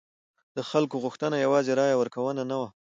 د خلکو غوښتنه یوازې رایه ورکونه نه وه.